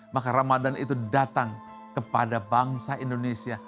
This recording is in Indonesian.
maka ramadan itu datang kepada bangsa indonesia